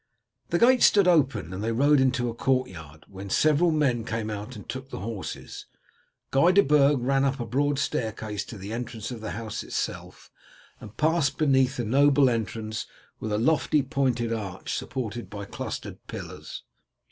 The gate stood open and they rode into a courtyard, when several men came out and took the horses. Guy de Burg ran up a broad staircase to the entrance of the house itself, and passed beneath a noble entrance with a lofty pointed arch supported by clustered pillars.